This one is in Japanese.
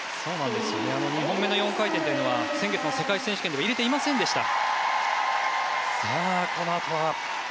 ２本目の４回転は先月の世界選手権でも入れていませんでした。